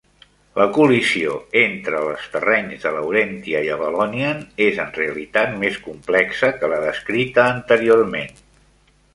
La col·lisió entre les terrenys de Laurentia i Avalonian és en realitat més complexa que la descrita anteriorment.